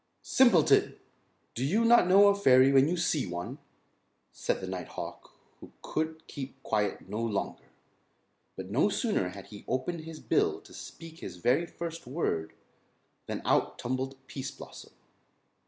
"Simpleton! Do you not know a fairy when you see one?" said the night hawk who could keep quiet no longer. But no sooner had he opened his bill to speak his very first word than out tumbled Pease Blossom.